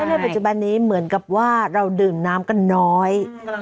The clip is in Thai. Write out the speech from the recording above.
ช่วยเรื่องปัจจุบันนี้เหมือนกับว่าเราดื่มน้ำก็น้อย